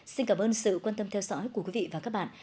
xin cảm ơn sự quan tâm theo dõi của quý vị và các bạn